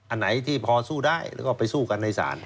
อันไหนที่พอสู้ได้แล้วก็ไปสู้กันในศาล